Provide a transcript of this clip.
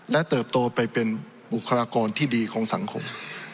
และเติบโตไปเป็นบุคลากรที่ดีของสังคม